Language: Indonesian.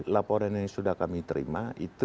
sebelum soal kim investasi